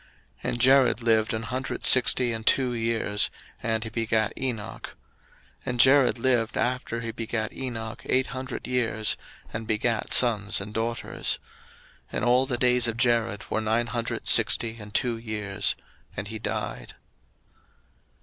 01:005:018 And Jared lived an hundred sixty and two years, and he begat Enoch: 01:005:019 And Jared lived after he begat Enoch eight hundred years, and begat sons and daughters: 01:005:020 And all the days of Jared were nine hundred sixty and two years: and he died.